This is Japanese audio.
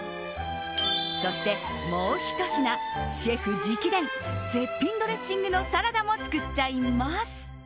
そしてもうひと品、シェフ直伝絶品ドレッシングのサラダも作っちゃいます。